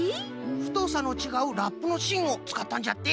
ふとさのちがうラップのしんをつかったんじゃって。